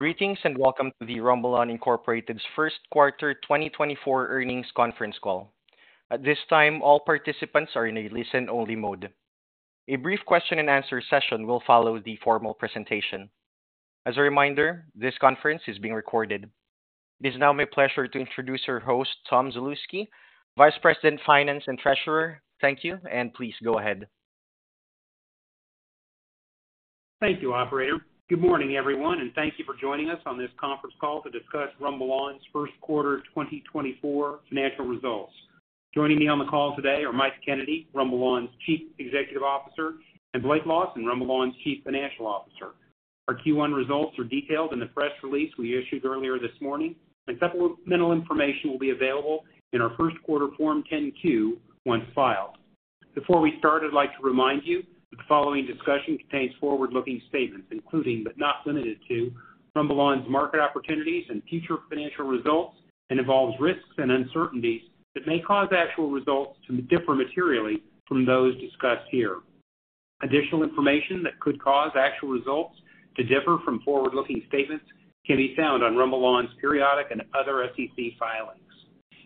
Greetings, and welcome to the RumbleOn Incorporated's first quarter 2024 earnings conference call. At this time, all participants are in a listen-only mode. A brief question and answer session will follow the formal presentation. As a reminder, this conference is being recorded. It is now my pleasure to introduce our host, Tom Zalewski, Vice President, Finance and Treasurer. Thank you, and please go ahead. Thank you, operator. Good morning, everyone, and thank you for joining us on this conference call to discuss RumbleOn's first quarter 2024 financial results. Joining me on the call today are Mike Kennedy, RumbleOn's Chief Executive Officer, and Blake Lawson, RumbleOn's Chief Financial Officer. Our Q1 results are detailed in the press release we issued earlier this morning, and supplemental information will be available in our first quarter Form 10-Q, once filed. Before we start, I'd like to remind you that the following discussion contains forward-looking statements, including but not limited to, RumbleOn's market opportunities and future financial results, and involves risks and uncertainties that may cause actual results to differ materially from those discussed here. Additional information that could cause actual results to differ from forward-looking statements can be found on RumbleOn's periodic and other SEC filings.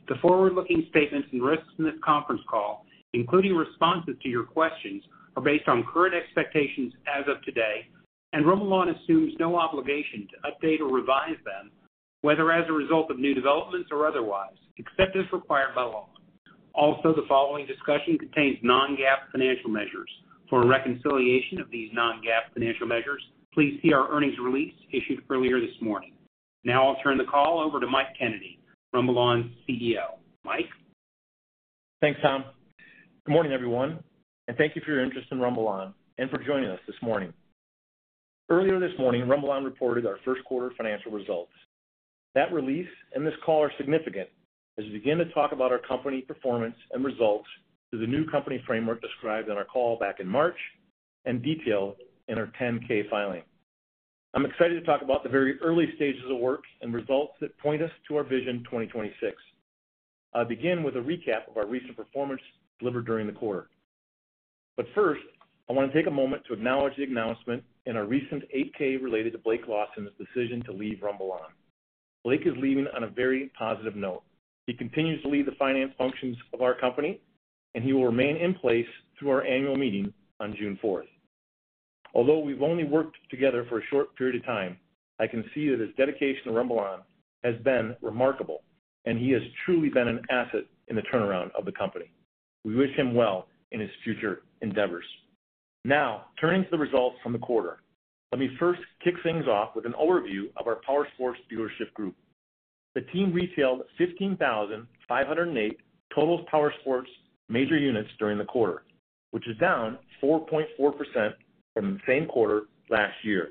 The forward-looking statements and risks in this conference call, including responses to your questions, are based on current expectations as of today, and RumbleOn assumes no obligation to update or revise them, whether as a result of new developments or otherwise, except as required by law. Also, the following discussion contains non-GAAP financial measures. For a reconciliation of these non-GAAP financial measures, please see our earnings release issued earlier this morning. Now I'll turn the call over to Mike Kennedy, RumbleOn's CEO. Mike? Thanks, Tom. Good morning, everyone, and thank you for your interest in RumbleOn and for joining us this morning. Earlier this morning, RumbleOn reported our first quarter financial results. That release and this call are significant as we begin to talk about our company performance and results through the new company framework described on our call back in March and detailed in our 10-K filing. I'm excited to talk about the very early stages of work and results that point us to our Vision 2026. I'll begin with a recap of our recent performance delivered during the quarter. But first, I wanna take a moment to acknowledge the announcement in our recent 8-K related to Blake Lawson's decision to leave RumbleOn. Blake is leaving on a very positive note. He continues to lead the finance functions of our company, and he will remain in place through our annual meeting on June fourth. Although we've only worked together for a short period of time, I can see that his dedication to RumbleOn has been remarkable, and he has truly been an asset in the turnaround of the company. We wish him well in his future endeavors. Now, turning to the results from the quarter. Let me first kick things off with an overview of our Powersports dealership group. The team retailed 15,508 total Powersports major units during the quarter, which is down 4.4% from the same quarter last year.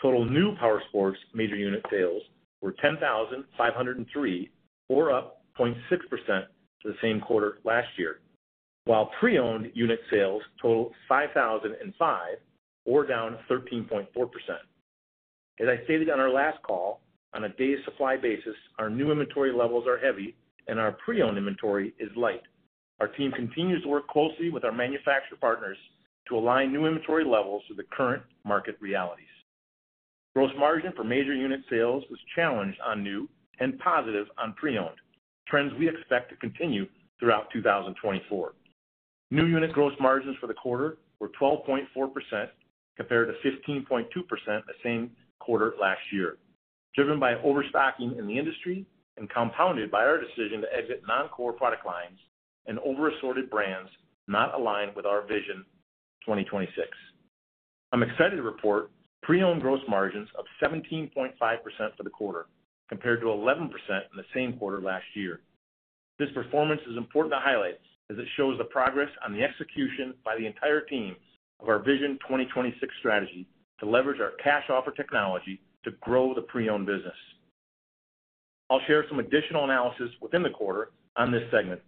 Total new Powersports major unit sales were 10,503, or up 0.6% to the same quarter last year, while pre-owned unit sales totaled 5,005, or down 13.4%. As I stated on our last call, on a day supply basis, our new inventory levels are heavy and our pre-owned inventory is light. Our team continues to work closely with our manufacturer partners to align new inventory levels to the current market realities. Gross margin for major unit sales was challenged on new and positive on pre-owned, trends we expect to continue throughout 2024. New unit gross margins for the quarter were 12.4%, compared to 15.2% the same quarter last year, driven by overstocking in the industry and compounded by our decision to exit non-core product lines and overassorted brands not aligned with our Vision 2026. I'm excited to report pre-owned gross margins of 17.5% for the quarter, compared to 11% in the same quarter last year. This performance is important to highlight as it shows the progress on the execution by the entire teams of our Vision 2026 strategy to leverage our Cash Offer technology to grow the pre-owned business. I'll share some additional analysis within the quarter on this segment.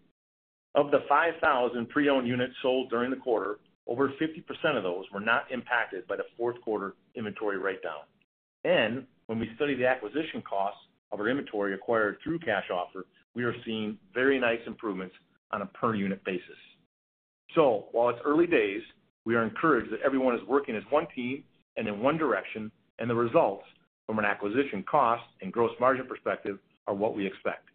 Of the 5,000 pre-owned units sold during the quarter, over 50% of those were not impacted by the fourth quarter inventory write-down. When we study the acquisition costs of our inventory acquired through Cash Offer, we are seeing very nice improvements on a per unit basis. While it's early days, we are encouraged that everyone is working as one team and in one direction, and the results from an acquisition cost and gross margin perspective are what we expect.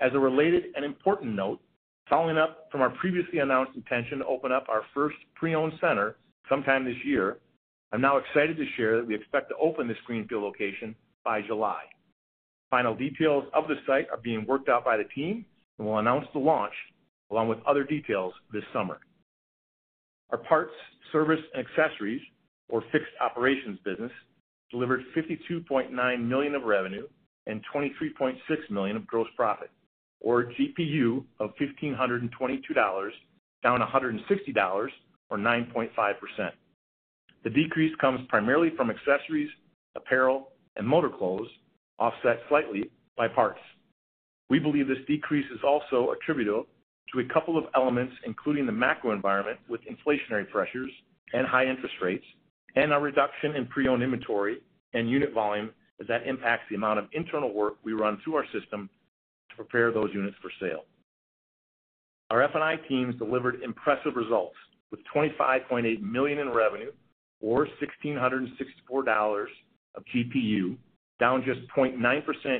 As a related and important note, following up from our previously announced intention to open up our first pre-owned center sometime this year, I'm now excited to share that we expect to open this greenfield location by July. Final details of the site are being worked out by the team, and we'll announce the launch, along with other details this summer. Our parts, service, and accessories, or fixed operations business, delivered $52.9 million of revenue and $23.6 million of gross profit, or GPU of $1,522, down $160, or 9.5%. The decrease comes primarily from accessories, apparel, and motor clothes, offset slightly by parts. We believe this decrease is also attributable to a couple of elements, including the macro environment with inflationary pressures and high interest rates, and our reduction in pre-owned inventory and unit volume that impacts the amount of internal work we run through our system to prepare those units for sale. Our F&I teams delivered impressive results, with $25.8 million in revenue, or $1,664 of GPU, down just 0.9%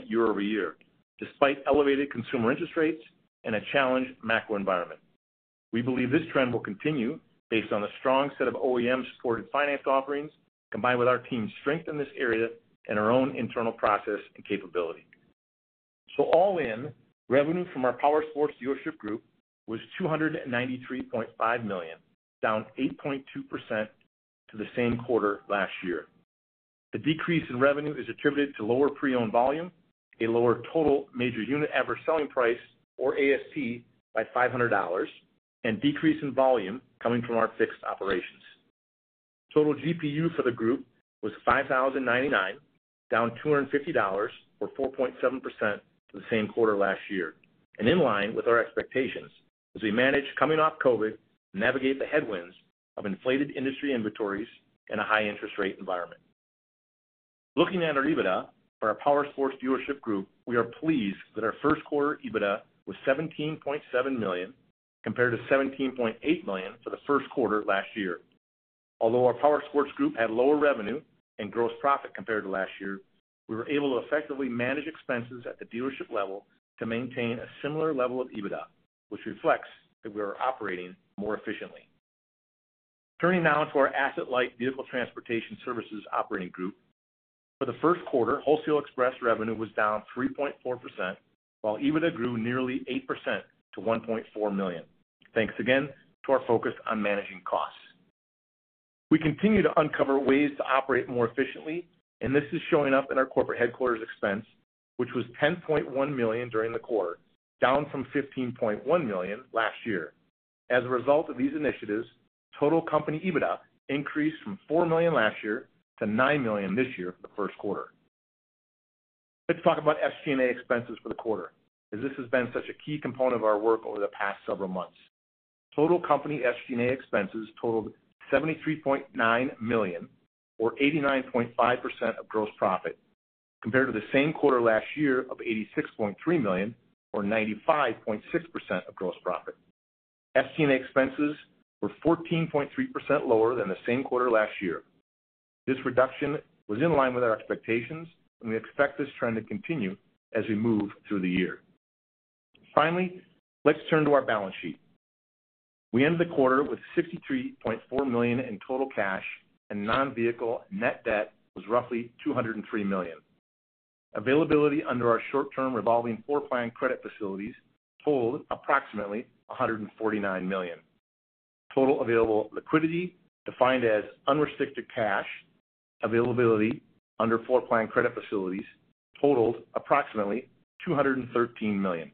year-over-year, despite elevated consumer interest rates and a challenged macro environment. We believe this trend will continue based on a strong set of OEM-supported finance offerings, combined with our team's strength in this area and our own internal process and capability. So all in, revenue from our Powersports Dealership Group was $293.5 million, down 8.2% to the same quarter last year. The decrease in revenue is attributed to lower pre-owned volume, a lower total major unit average selling price, or ASP, by $500, and decrease in volume coming from our fixed operations. Total GPU for the group was $5,099, down $250, or 4.7%, from the same quarter last year, and in line with our expectations as we manage coming off COVID, navigate the headwinds of inflated industry inventories and a high interest rate environment. Looking at our EBITDA for our Powersports Dealership Group, we are pleased that our first quarter EBITDA was $17.7 million, compared to $17.8 million for the first quarter last year. Although our Powersports group had lower revenue and gross profit compared to last year, we were able to effectively manage expenses at the dealership level to maintain a similar level of EBITDA, which reflects that we are operating more efficiently. Turning now to our asset-light Vehicle Transportation Services operating group. For the first quarter, Wholesale Express revenue was down 3.4%, while EBITDA grew nearly 8% to $1.4 million. Thanks again to our focus on managing costs. We continue to uncover ways to operate more efficiently, and this is showing up in our corporate headquarters expense, which was $10.1 million during the quarter, down from $15.1 million last year. As a result of these initiatives, total company EBITDA increased from $4 million last year to $9 million this year for the first quarter. Let's talk about SG&A expenses for the quarter, as this has been such a key component of our work over the past several months. Total company SG&A expenses totaled $73.9 million, or 89.5% of gross profit, compared to the same quarter last year of $86.3 million, or 95.6% of gross profit. SG&A expenses were 14.3% lower than the same quarter last year. This reduction was in line with our expectations, and we expect this trend to continue as we move through the year. Finally, let's turn to our balance sheet. We ended the quarter with $63.4 million in total cash, and non-vehicle net debt was roughly $203 million. Availability under our short-term revolving floor plan credit facilities totaled approximately $149 million. Total available liquidity, defined as unrestricted cash availability under floor plan credit facilities, totaled approximately $213 million.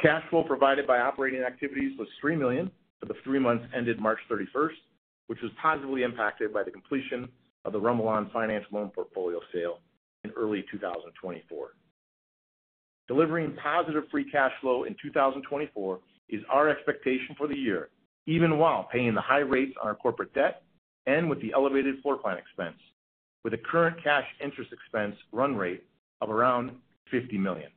Cash flow provided by operating activities was $3 million for the three months ended March 31, which was positively impacted by the completion of the RumbleOn Finance loan portfolio sale in early 2024. Delivering positive free cash flow in 2024 is our expectation for the year, even while paying the high rates on our corporate debt and with the elevated floor plan expense, with a current cash interest expense run rate of around $50 million.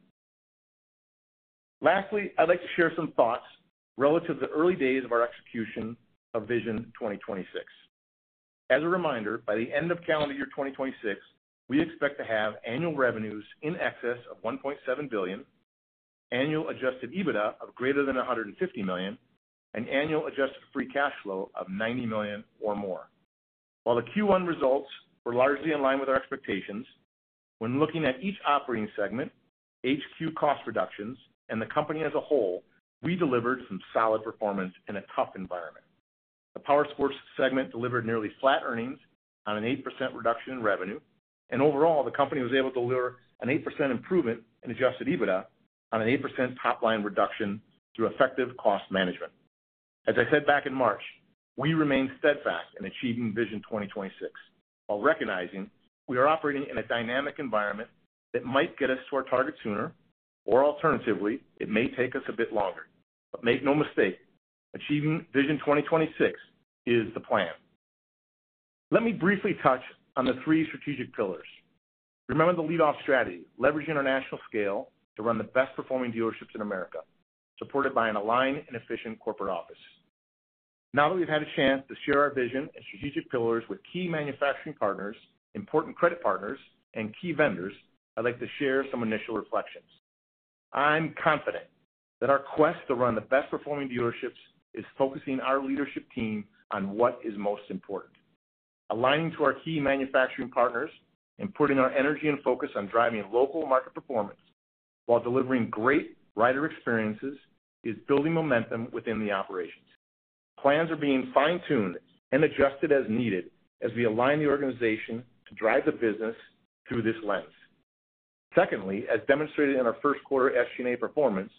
Lastly, I'd like to share some thoughts relative to the early days of our execution of Vision 2026. As a reminder, by the end of calendar year 2026, we expect to have annual revenues in excess of $1.7 billion, annual adjusted EBITDA of greater than $150 million, and annual adjusted free cash flow of $90 million or more. While the Q1 results were largely in line with our expectations, when looking at each operating segment, HQ cost reductions, and the company as a whole, we delivered some solid performance in a tough environment. The Powersports segment delivered nearly flat earnings on an 8% reduction in revenue, and overall, the company was able to deliver an 8% improvement in adjusted EBITDA on an 8% top-line reduction through effective cost management. As I said back in March, we remain steadfast in achieving Vision 2026, while recognizing we are operating in a dynamic environment that might get us to our target sooner, or alternatively, it may take us a bit longer. But make no mistake, achieving Vision 2026 is the plan. Let me briefly touch on the three strategic pillars. Remember the lead-off strategy, leveraging our national scale to run the best-performing dealerships in America, supported by an aligned and efficient corporate office. Now that we've had a chance to share our vision and strategic pillars with key manufacturing partners, important credit partners, and key vendors, I'd like to share some initial reflections. I'm confident that our quest to run the best-performing dealerships is focusing our leadership team on what is most important. Aligning to our key manufacturing partners and putting our energy and focus on driving local market performance while delivering great rider experiences, is building momentum within the operations. Plans are being fine-tuned and adjusted as needed as we align the organization to drive the business through this lens. Secondly, as demonstrated in our first quarter SG&A performance,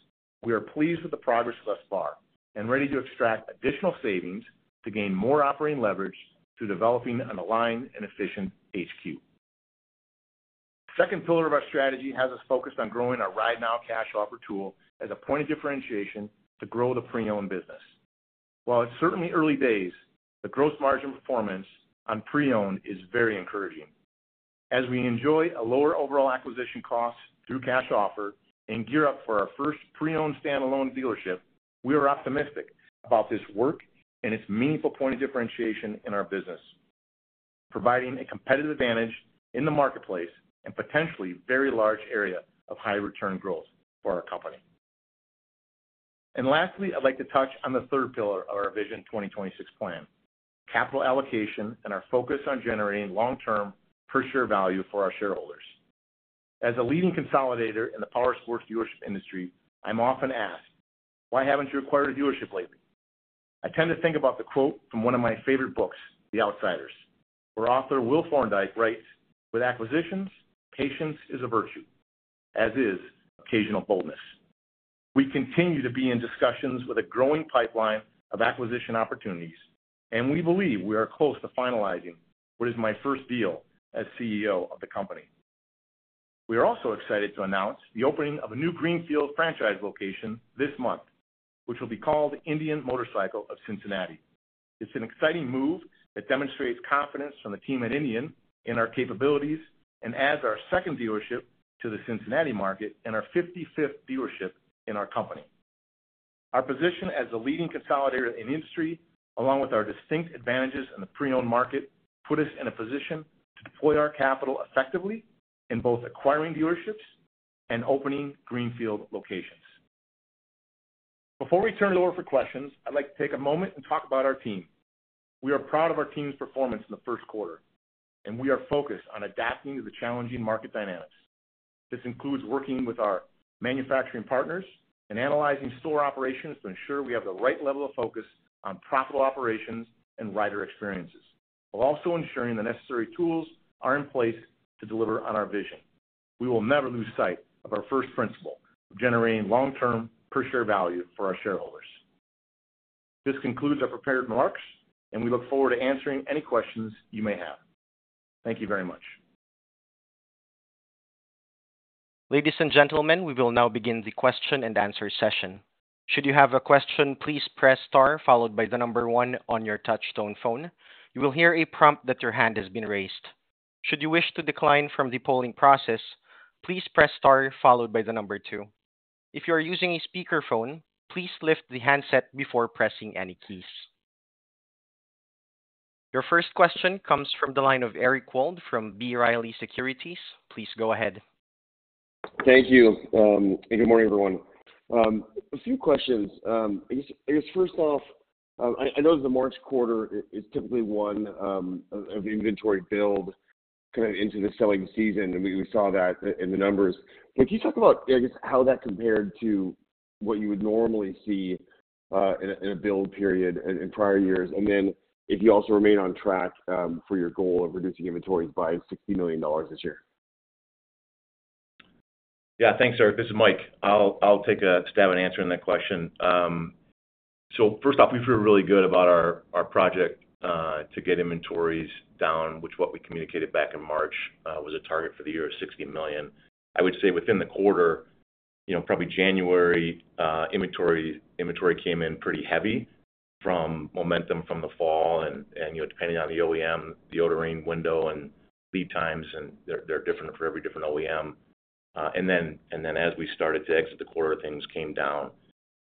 we are pleased with the progress thus far and ready to extract additional savings to gain more operating leverage through developing an aligned and efficient HQ. Second pillar of our strategy has us focused on growing our RideNow Cash Offer tool as a point of differentiation to grow the pre-owned business. While it's certainly early days, the gross margin performance on pre-owned is very encouraging.... As we enjoy a lower overall acquisition cost through Cash Offer and gear up for our first pre-owned standalone dealership, we are optimistic about this work and its meaningful point of differentiation in our business, providing a competitive advantage in the marketplace and potentially very large area of high return growth for our company. And lastly, I'd like to touch on the third pillar of our Vision 2026 plan, capital allocation, and our focus on generating long-term per share value for our shareholders. As a leading consolidator in the powersports dealership industry, I'm often asked: Why haven't you acquired a dealership lately? I tend to think about the quote from one of my favorite books, The Outsiders, where author Will Thorndike writes, "With acquisitions, patience is a virtue, as is occasional boldness." We continue to be in discussions with a growing pipeline of acquisition opportunities, and we believe we are close to finalizing what is my first deal as CEO of the company. We are also excited to announce the opening of a new greenfield franchise location this month, which will be called Indian Motorcycle of Cincinnati. It's an exciting move that demonstrates confidence from the team at Indian in our capabilities and adds our second dealership to the Cincinnati market and our fifty-fifth dealership in our company. Our position as a leading consolidator in the industry, along with our distinct advantages in the pre-owned market, put us in a position to deploy our capital effectively in both acquiring dealerships and opening greenfield locations. Before we turn it over for questions, I'd like to take a moment and talk about our team. We are proud of our team's performance in the first quarter, and we are focused on adapting to the challenging market dynamics. This includes working with our manufacturing partners and analyzing store operations to ensure we have the right level of focus on profitable operations and rider experiences, while also ensuring the necessary tools are in place to deliver on our vision. We will never lose sight of our first principle of generating long-term per share value for our shareholders. This concludes our prepared remarks, and we look forward to answering any questions you may have. Thank you very much. Ladies and gentlemen, we will now begin the question-and-answer session. Should you have a question, please press star followed by the number one on your touchtone phone. You will hear a prompt that your hand has been raised. Should you wish to decline from the polling process, please press star followed by the number two. If you are using a speakerphone, please lift the handset before pressing any keys. Your first question comes from the line of Eric Wold from B. Riley Securities. Please go ahead. Thank you, and good morning, everyone. A few questions. I guess first off, I know the March quarter is typically one of inventory build kind of into the selling season, and we saw that in the numbers. But can you talk about, I guess, how that compared to what you would normally see in a build period in prior years? And then if you also remain on track for your goal of reducing inventories by $60 million this year. Yeah, thanks, Eric. This is Mike. I'll take a stab at answering that question. So first off, we feel really good about our project to get inventories down, which what we communicated back in March was a target for the year of $60 million. I would say within the quarter, you know, probably January, inventory came in pretty heavy from momentum from the fall and, you know, depending on the OEM, the ordering window and lead times, and they're different for every different OEM. And then as we started to exit the quarter, things came down,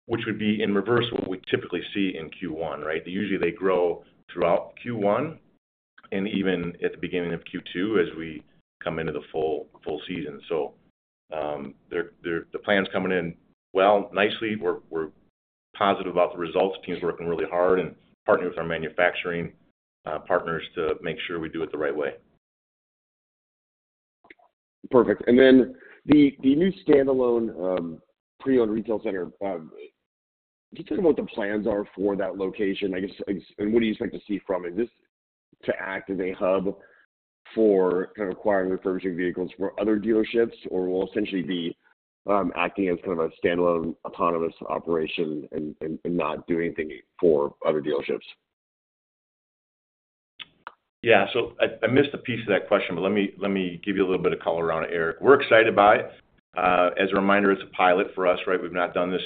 which would be in reverse what we typically see in Q1, right? Usually, they grow throughout Q1 and even at the beginning of Q2 as we come into the full season. So, they're the plans coming in well, nicely. We're positive about the results. Team's working really hard and partnering with our manufacturing partners to make sure we do it the right way. Perfect. And then the new standalone pre-owned retail center, can you talk about what the plans are for that location, I guess. And what do you expect to see from it? Is this to act as a hub for kind of acquiring refurbishing vehicles for other dealerships, or will it essentially be acting as kind of a standalone autonomous operation and not doing anything for other dealerships? Yeah. So I, I missed a piece of that question, but let me, let me give you a little bit of color around it, Eric. We're excited about it. As a reminder, it's a pilot for us, right? We've not done this,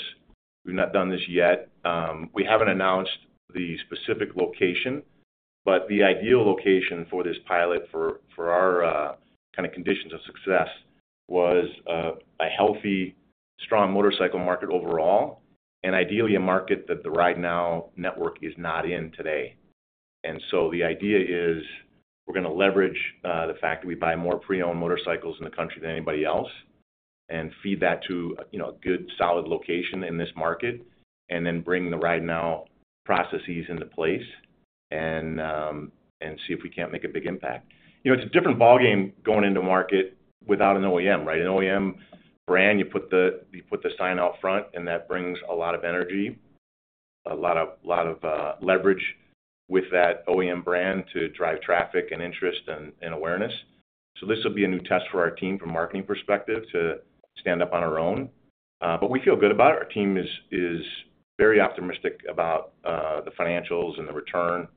we've not done this yet. We haven't announced the specific location, but the ideal location for this pilot, for our kinda conditions of success was a healthy, strong motorcycle market overall, and ideally, a market that the RideNow network is not in today. And so the idea is, we're gonna leverage the fact that we buy more pre-owned motorcycles in the country than anybody else and feed that to, you know, a good, solid location in this market, and then bring the RideNow processes into place and see if we can't make a big impact. You know, it's a different ballgame going into market without an OEM, right? An OEM brand, you put the sign out front, and that brings a lot of energy, a lot of leverage with that OEM brand to drive traffic and interest and awareness. So this will be a new test for our team from a marketing perspective to stand up on our own. But we feel good about it. Our team is very optimistic about the financials and the return,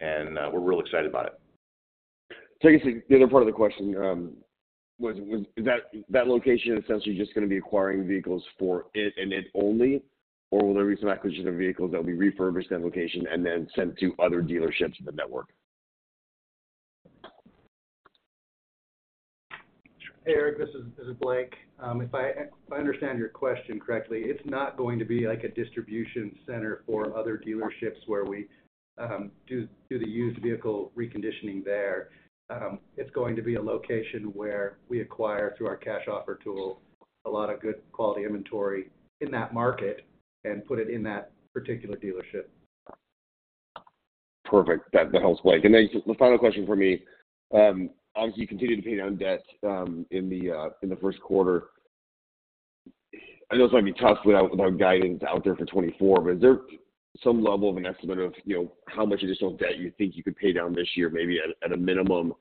and we're really excited about it. Take us to the other part of the question. Is that location essentially just gonna be acquiring vehicles for it and it only? Or will there be some acquisition of vehicles that will be refurbished at that location and then sent to other dealerships in the network? Hey, Eric, this is Blake. If I understand your question correctly, it's not going to be like a distribution center for other dealerships where we do the used vehicle reconditioning there. It's going to be a location where we acquire, through our Cash Offer tool, a lot of good quality inventory in that market and put it in that particular dealership. Perfect. That helps, Blake. And then just the final question for me. Obviously, you continued to pay down debt in the first quarter. I know this might be tough without guidance out there for 2024, but is there some level of an estimate of, you know, how much additional debt you think you could pay down this year, maybe at a minimum?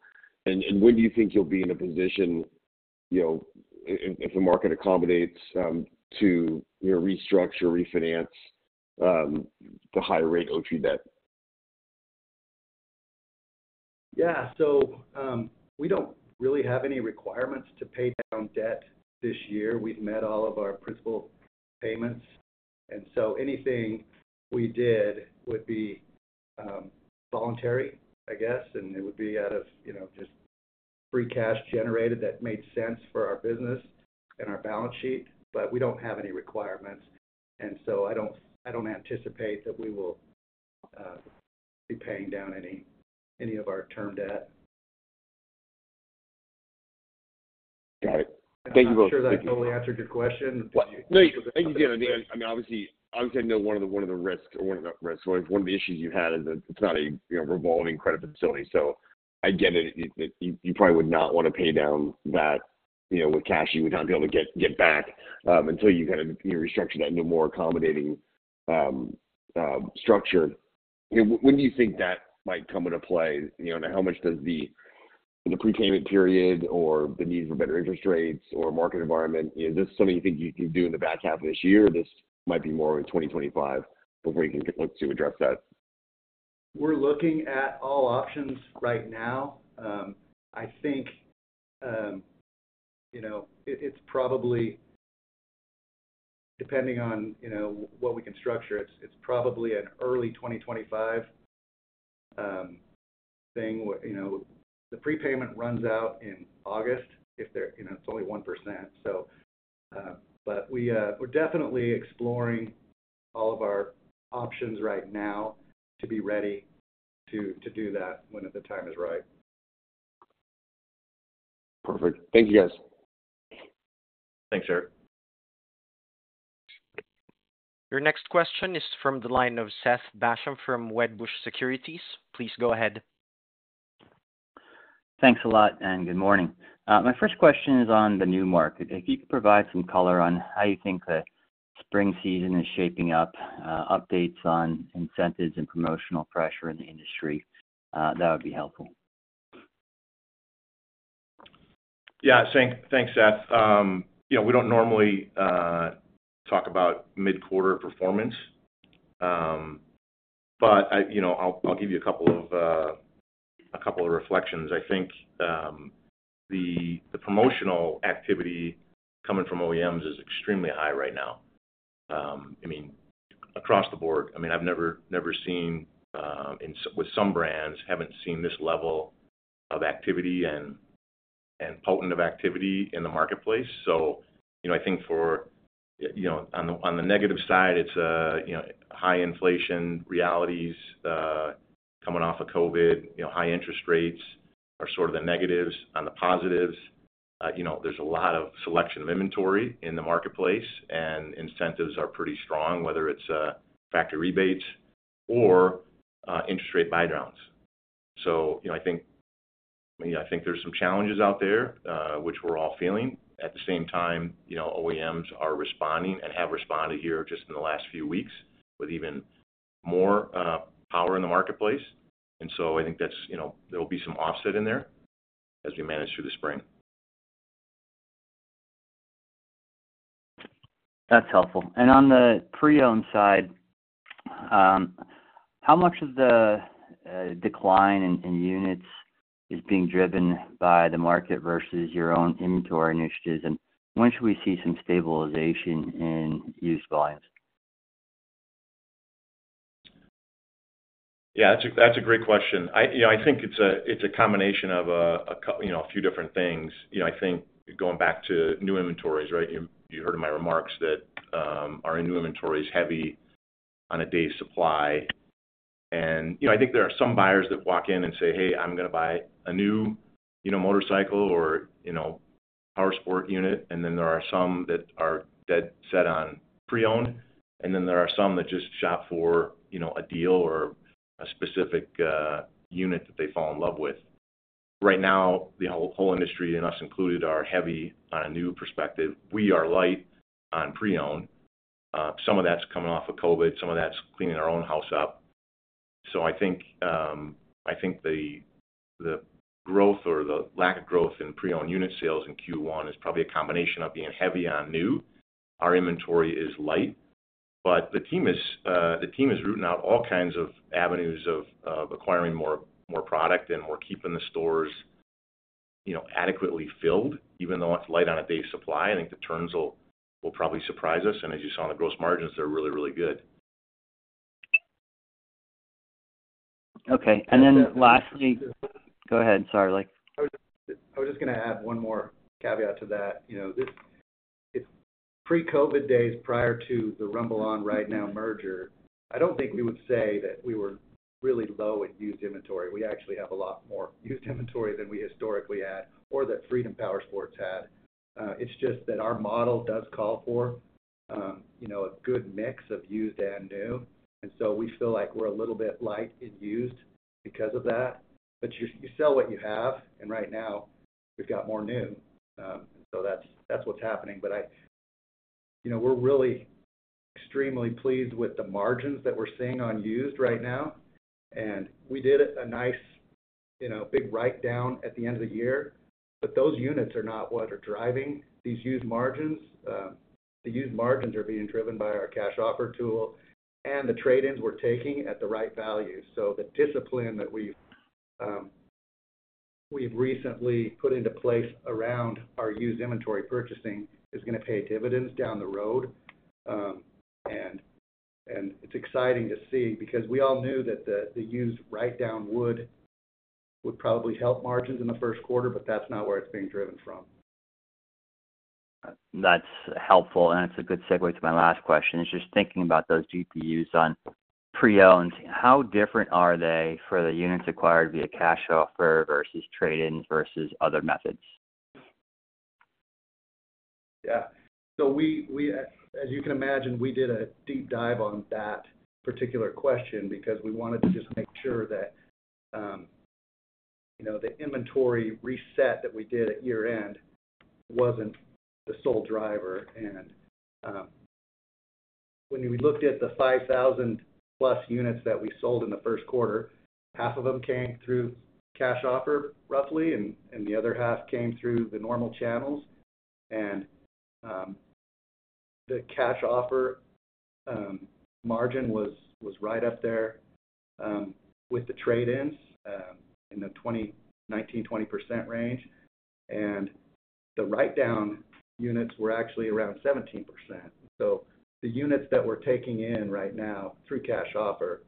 And when do you think you'll be in a position, you know, if the market accommodates, to, you know, restructure, refinance the high rate Oaktree debt? Yeah. So, we don't really have any requirements to pay down debt this year. We've met all of our principal payments, and so anything we did would be voluntary, I guess, and it would be out of, you know, just free cash generated that made sense for our business and our balance sheet. But we don't have any requirements, and so I don't anticipate that we will be paying down any of our term debt. Got it. Thank you both- I'm not sure that totally answered your question. Well, no, I think I get it. I mean, obviously, I know one of the risks or one of the issues you had is that it's not a, you know, revolving credit facility. So I get it. You probably would not wanna pay down that, you know, with cash you would not be able to get back until you kind of restructure that into more accommodating structure. When do you think that might come into play? You know, and how much does the prepayment period or the need for better interest rates or market environment, is this something you think you can do in the back half of this year, or this might be more of a 2025 before you can look to address that? We're looking at all options right now. I think, you know, it's probably depending on, you know, what we can structure, it's probably an early 2025 thing. Where, you know, the prepayment runs out in August. You know, it's only 1%. So, but we're definitely exploring all of our options right now to be ready to do that when the time is right. Perfect. Thank you, guys. Thanks, Eric. Your next question is from the line of Seth Basham from Wedbush Securities. Please go ahead. Thanks a lot, and good morning. My first question is on the new market. If you could provide some color on how you think the spring season is shaping up, updates on incentives and promotional pressure in the industry, that would be helpful. Yeah, thanks, Seth. You know, we don't normally talk about mid-quarter performance, but you know, I'll give you a couple of reflections. I think the promotional activity coming from OEMs is extremely high right now. I mean, across the board. I mean, I've never seen with some brands, haven't seen this level of activity and potency of activity in the marketplace. So, you know, I think, you know, on the negative side, it's high inflation realities coming off of COVID. You know, high interest rates are sort of the negatives. On the positives, you know, there's a lot of selection of inventory in the marketplace, and incentives are pretty strong, whether it's factory rebates or interest rate buydowns. So, you know, I think, I think there's some challenges out there, which we're all feeling. At the same time, you know, OEMs are responding and have responded here just in the last few weeks with even more, power in the marketplace. And so I think that's, you know, there will be some offset in there as we manage through the spring. That's helpful. On the pre-owned side, how much of the decline in units is being driven by the market versus your own inventory initiatives? When should we see some stabilization in used volumes? Yeah, that's a great question. I, you know, I think it's a combination of a few different things. You know, I think going back to new inventories, right? You heard in my remarks that our new inventory is heavy on a day supply. And, you know, I think there are some buyers that walk in and say, "Hey, I'm gonna buy a new, you know, motorcycle or, you know, powersport unit." And then there are some that are dead set on pre-owned, and then there are some that just shop for, you know, a deal or a specific unit that they fall in love with. Right now, the whole industry, and us included, are heavy on a new perspective. We are light on pre-owned. Some of that's coming off of COVID, some of that's cleaning our own house up. So I think, I think the growth or the lack of growth in pre-owned unit sales in Q1 is probably a combination of being heavy on new. Our inventory is light. But the team is rooting out all kinds of avenues of acquiring more product, and we're keeping the stores, you know, adequately filled, even though it's light on a day supply. I think the turns will probably surprise us, and as you saw in the gross margins, they're really, really good. Okay, and then lastly— Go ahead. Sorry, Blake. I was just gonna add one more caveat to that. You know, this, pre-COVID days, prior to the RumbleOn RideNow merger, I don't think we would say that we were really low in used inventory. We actually have a lot more used inventory than we historically had, or that Freedom Powersports had. It's just that our model does call for, you know, a good mix of used and new, and so we feel like we're a little bit light in used because of that. But you, you sell what you have, and right now, we've got more new, so that's, that's what's happening. But I, you know, we're really extremely pleased with the margins that we're seeing on used right now, and we did a nice, you know, big write-down at the end of the year. But those units are not what are driving these used margins. The used margins are being driven by our Cash Offer tool and the trade-ins we're taking at the right value. So the discipline that we've recently put into place around our used inventory purchasing is gonna pay dividends down the road. And it's exciting to see because we all knew that the used write-down would probably help margins in the first quarter, but that's not where it's being driven from. That's helpful, and it's a good segue to my last question, is just thinking about those GPUs on pre-owned. How different are they for the units acquired via Cash Offer versus trade-ins versus other methods? Yeah. So we, as you can imagine, we did a deep dive on that particular question because we wanted to just make sure that, you know, the inventory reset that we did at year-end wasn't the sole driver. And when we looked at the 5,000+ units that we sold in the first quarter, half of them came through Cash Offer, roughly, and the other half came through the normal channels. And the Cash Offer margin was right up there with the trade-ins in the 19%-20% range. And the write-down units were actually around 17%. So the units that we're taking in right now through Cash Offer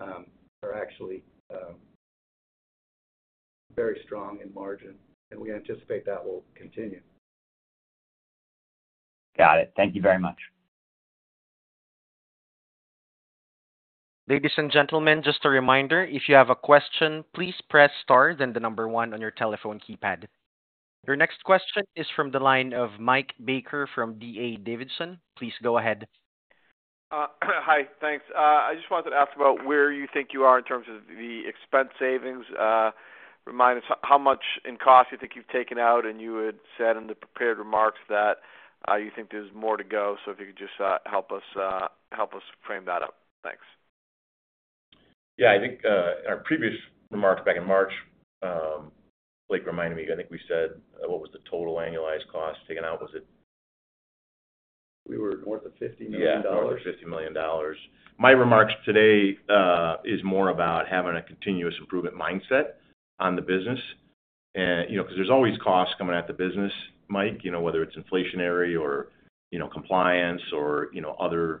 are actually very strong in margin, and we anticipate that will continue. Got it. Thank you very much. Ladies and gentlemen, just a reminder, if you have a question, please press star, then the number 1 on your telephone keypad. Your next question is from the line of Mike Baker from D.A. Davidson. Please go ahead. Hi, thanks. I just wanted to ask about where you think you are in terms of the expense savings. Remind us how much in cost you think you've taken out, and you had said in the prepared remarks that you think there's more to go. So if you could just help us frame that up. Thanks. Yeah. I think, in our previous remarks back in March, Blake reminded me, I think we said, what was the total annualized cost taken out? Was it- We were north of $50 million. Yeah, north of $50 million. My remarks today is more about having a continuous improvement mindset on the business. And, you know, because there's always costs coming out of the business, Mike, you know, whether it's inflationary or, you know, compliance or, you know, other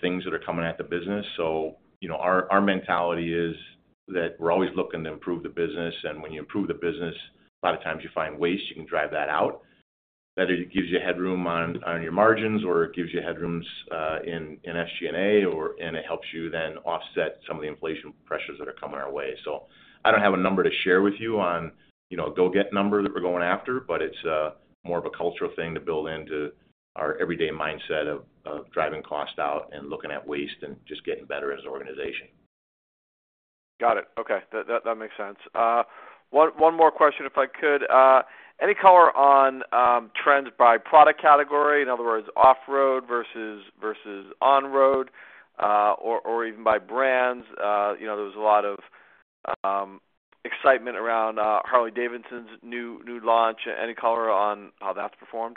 things that are coming at the business. So, you know, our mentality is that we're always looking to improve the business, and when you improve the business, a lot of times you find ways you can drive that out. That it gives you headroom on your margins, or it gives you headrooms in SG&A, or and it helps you then offset some of the inflation pressures that are coming our way. I don't have a number to share with you on, you know, go-get number that we're going after, but it's more of a cultural thing to build into our everyday mindset of, of driving costs out and looking at waste and just getting better as an organization. Got it. Okay. That makes sense. One more question, if I could. Any color on trends by product category? In other words, off-road versus on-road, or even by brands. You know, there was a lot of excitement around Harley-Davidson's new launch. Any color on how that's performed?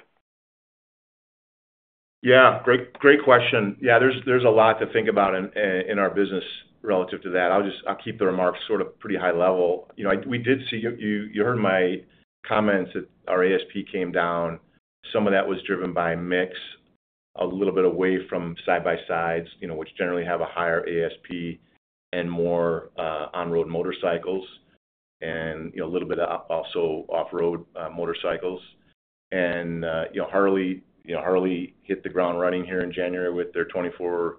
Yeah, great, great question. Yeah, there's, there's a lot to think about in, in our business relative to that. I'll just, I'll keep the remarks sort of pretty high level. You know, we did see... You, you heard my comments that our ASP came down. Some of that was driven by mix, a little bit away from side-by-sides, you know, which generally have a higher ASP and more, on-road motorcycles and, you know, a little bit of also off-road, motorcycles. And, you know, Harley, you know, Harley hit the ground running here in January with their 2024,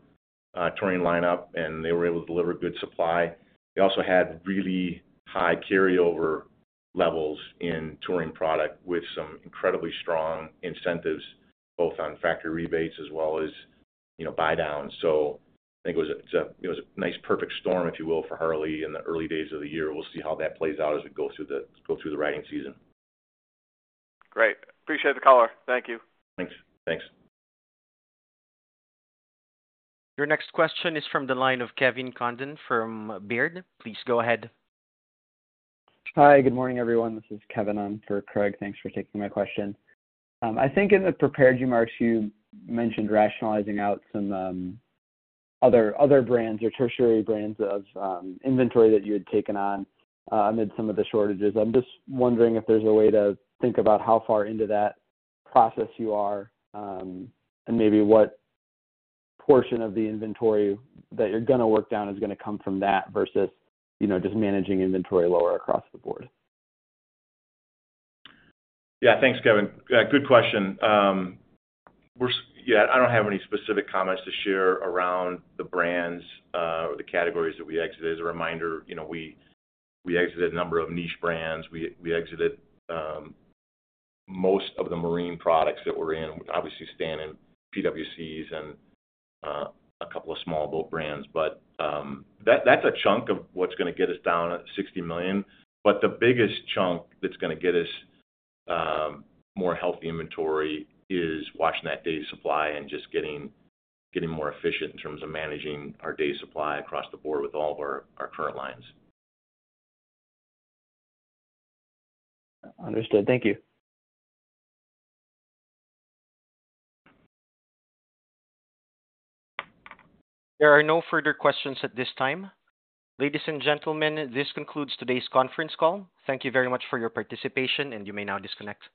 touring lineup, and they were able to deliver good supply. They also had really high carryover levels in touring product, with some incredibly strong incentives, both on factory rebates as well as, you know, buydowns. So I think it was a nice perfect storm, if you will, for Harley in the early days of the year. We'll see how that plays out as we go through the riding season. Great. Appreciate the color. Thank you. Thanks. Thanks. Your next question is from the line of Kevin Condon from Baird. Please go ahead. Hi, good morning, everyone. This is Kevin in for Craig. Thanks for taking my question. I think in the prepared remarks, you mentioned rationalizing out some, other, other brands or tertiary brands of inventory that you had taken on, amid some of the shortages. I'm just wondering if there's a way to think about how far into that process you are, and maybe what portion of the inventory that you're gonna work down is gonna come from that versus, you know, just managing inventory lower across the board. Yeah, thanks, Kevin. Good question. Yeah, I don't have any specific comments to share around the brands or the categories that we exited. As a reminder, you know, we exited a number of niche brands. We exited most of the marine products that we're in, obviously staying in PWC and a couple of small boat brands. But that's a chunk of what's gonna get us down at $60 million, but the biggest chunk that's gonna get us more healthy inventory is watching that day supply and just getting more efficient in terms of managing our day supply across the board with all of our current lines. Understood. Thank you. There are no further questions at this time. Ladies and gentlemen, this concludes today's conference call. Thank you very much for your participation, and you may now disconnect.